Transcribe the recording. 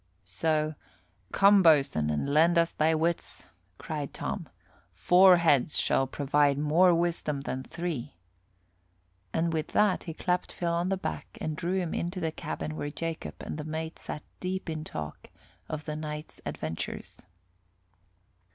So, "Come, boatswain, and lend us thy wits," cried Tom. "Four heads shall provide more wisdom than three." And with that, he clapped Phil on the back and drew him into the cabin where Jacob and the mate sat deep in talk of the night's adventures.